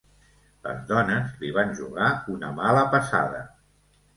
Les dones li van jugar una mala passada.